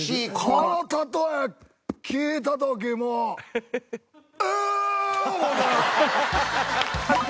この例え聞いた時もうえーっ！